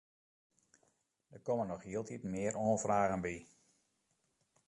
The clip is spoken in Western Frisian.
Der komme noch hieltyd mear oanfragen by.